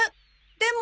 でも。